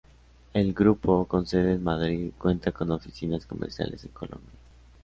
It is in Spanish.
El grupo, con sede en Madrid, cuenta con oficinas comerciales en Colombia.